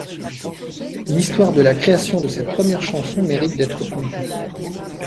L'histoire de la création de cette première chanson mérite d'être contée.